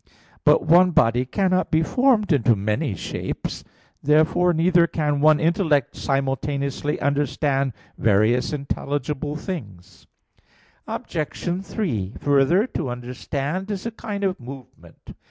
But one body cannot be formed into many shapes. Therefore neither can one intellect simultaneously understand various intelligible things. Obj. 3: Further, to understand is a kind of movement.